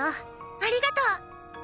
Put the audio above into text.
ありがとう。